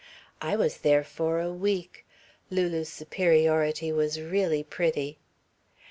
"I was there for a week." Lulu's superiority was really pretty.